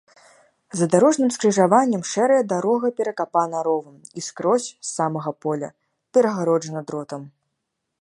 За дарожным скрыжаваннем шэрая дарога перакапана ровам і скрозь, з самага поля, перагароджана дротам.